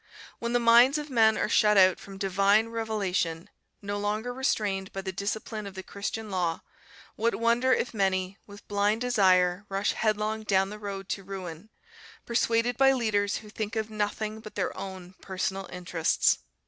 When the minds of men are shut out from divine revelation, no longer restrained by the discipline of the Christian law, what wonder if many, with blind desire, rush headlong down the road to ruin, persuaded by leaders who think of nothing but their own personal interests.